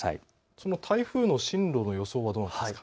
その台風の進路の予想はどうなんですか。